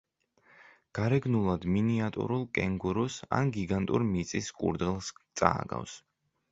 გარეგნულად მინიატურულ კენგურუს ან გიგანტურ მიწის კურდღელს წააგავს.